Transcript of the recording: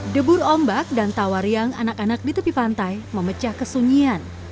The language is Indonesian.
debur ombak dan tawariang anak anak di tepi pantai memecah kesunyian